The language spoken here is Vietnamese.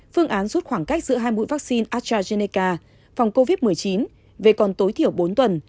phương án rút khoảng cách giữa hai mũi vaccine astrazeneca phòng covid một mươi chín về còn tối thiểu bốn tuần